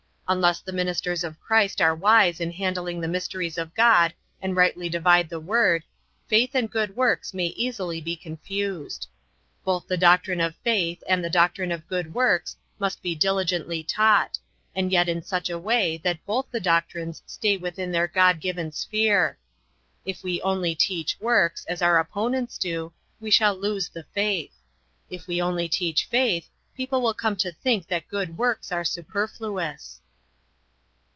Unless the ministers of Christ are wise in handling the mysteries of God and rightly divide the word, faith and good works may easily be confused. Both the doctrine of faith and the doctrine of good works must be diligently taught, and yet in such a way that both the doctrines stay within their God given sphere. If we only teach works, as our opponents do, we shall lose the faith. If we only teach faith people will come to think that good works are superfluous.